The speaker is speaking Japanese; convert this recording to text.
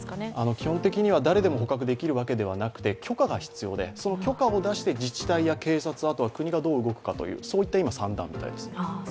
基本的には誰でも捕獲できるわけではなくて、許可が必要で、その許可を出して自治体や警察、国がどう動くかといった算段みたいです。